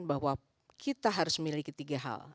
bahwa kita harus memiliki tiga hal